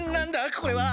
これは！